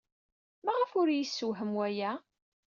Maɣef ur iyi-yessewhem waya?